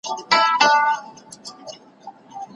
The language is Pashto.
چي د ټولني واقعیتونو او د شاعراحساساتو ته